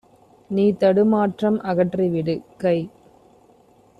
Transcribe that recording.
நீதடு மாற்றம் அகற்றிவிடு! - கை